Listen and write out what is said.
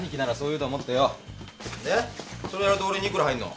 でそれやると俺に幾ら入んの？